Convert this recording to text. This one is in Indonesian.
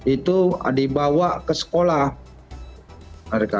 itu dibawa ke sekolah mereka